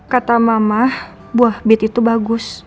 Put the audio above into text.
kata mama buah bit itu bagus